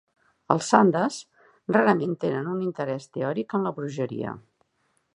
Els zandes rarament tenen un interès teòric en la bruixeria.